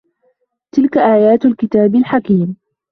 تِلكَ آياتُ الكِتابِ الحَكيمِ